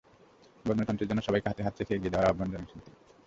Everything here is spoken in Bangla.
গণতন্ত্রের জন্য সবাইকে হাতে হাত রেখে এগিয়ে যাওয়ার আহ্বান জানিয়েছেন তিনি।